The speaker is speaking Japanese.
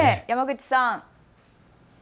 山口さん。